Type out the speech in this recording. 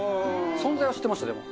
存在は知ってました、でも。